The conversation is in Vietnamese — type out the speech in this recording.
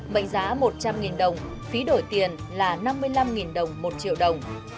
mệnh giá một trăm linh đồng phí đổi tiền là năm mươi năm đồng một triệu đồng